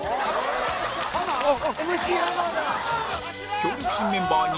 強力新メンバーに